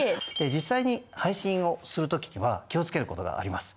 実際に配信をする時には気をつけることがあります。